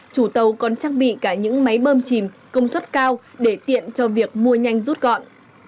chủ tàu còn trang bị cả những máy bơm chìm công suất cao để tiện cho việc mua nhanh rút gọn